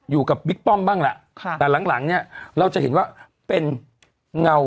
ถูกต้องป่ะ